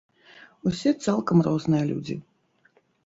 Усе цалкам розныя людзі.